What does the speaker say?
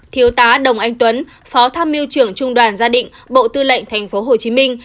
thiếu tá đồng anh tuấn phó tham mưu trưởng trung đoàn gia định bộ tư lệnh tp hcm